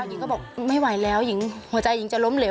หญิงก็บอกไม่ไหวแล้วหญิงหัวใจหญิงจะล้มเหลว